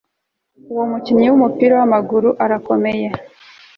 Uwo mukinnyi wumupira wamaguru arakomeye